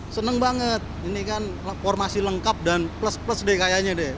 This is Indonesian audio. seneng banget ini kan formasi lengkap dan plus plus deh kayaknya deh